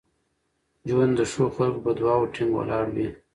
ژوند د ښو خلکو په دعاوو ټینګ ولاړ وي.